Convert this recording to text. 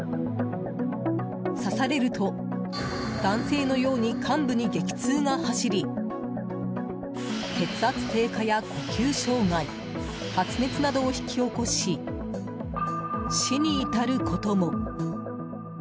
刺されると、男性のように患部に激痛が走り血圧低下や呼吸障害発熱などを引き起こし死に至ることも。